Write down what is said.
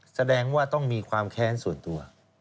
แสดงว่าต้องมีความแค้นส่วนตัว